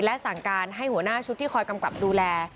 และสั่งการให้หัวหน้าชุดที่คอยกำกับดูแล